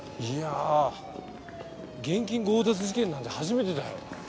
いやあ現金強奪事件なんて初めてだよ。